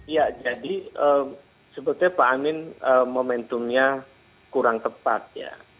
ya jadi sebetulnya pak amin momentumnya kurang tepat ya